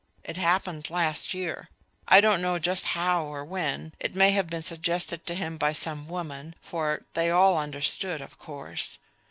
It happened last year. I don't know just how or when. It may have been suggested to him by some woman for they all understood, of course.